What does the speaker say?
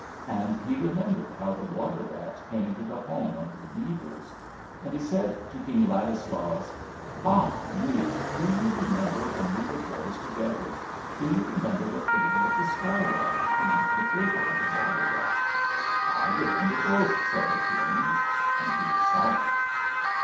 And he remembered how the water rat came to the home of the beavers. And he said to King Ladislaus, "Ah, me! do you remember when we were boys together? Do you remember the fable of the Sky lark, and the fable of the Water rat?" "I remember both," said the King. And he was silent.